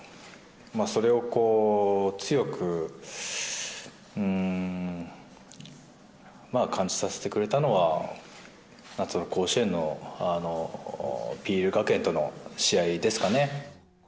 それを強く感じさせてくれたのは、夏の甲子園のＰＬ学園との試合ですかね。